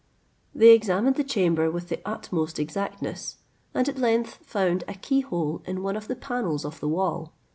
They examined the chamber with the utmost exactness, and at length found a key hole in one of the panels of the wall.